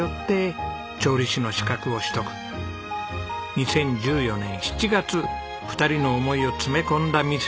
２０１４年７月２人の思いを詰め込んだ店